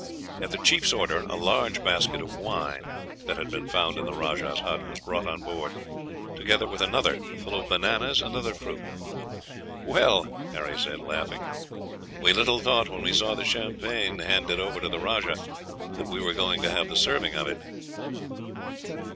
At the chief's order, a large basket of wine, that had been found in the rajah's hut, was brought on board, together with another, full of bananas and other fruit. "Well," Harry said, laughing, "we little thought, when we saw the champagne handed over to the rajah, that we were going to have the serving of it."